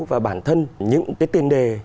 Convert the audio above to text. và bản thân những cái tiền đề